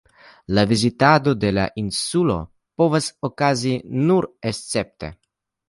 La vizitado de la insulo povas okazi nur escepte.